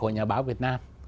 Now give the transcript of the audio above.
hội nhà báo việt nam